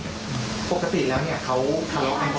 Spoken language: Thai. ปกติแล้วเนี่ยเค้าทะเลาะกันหมดครับพ่อลูก